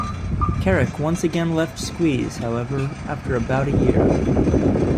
Carrack once again left Squeeze, however, after about a year.